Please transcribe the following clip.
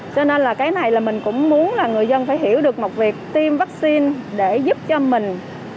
cho nên là cái này là mình cũng muốn là người dân phải hiểu được một việc tiêm vaccine để giúp cho mình